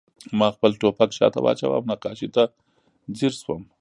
ما خپل ټوپک شاته واچاوه او نقاشۍ ته ځیر شوم